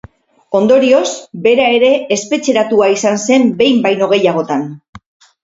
Ondorioz, bera ere espetxeratua izan zen behin baino gehiagotan.